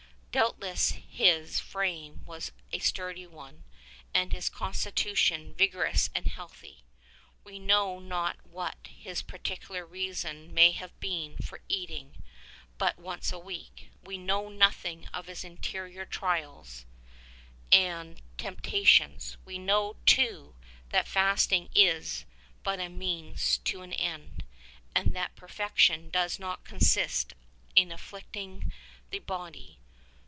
Doubtless his frame was a sturdy one and his constitution vigorous and healthy. We know not what his particular reason may have been for eating but once a week. We know nothing of his interior trials and temptations. We know, too, that fasting is but a means to an end, and that perfection does not consist in afflicting the body.